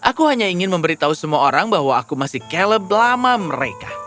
aku hanya ingin memberitahu semua orang bahwa aku masih caleb lama mereka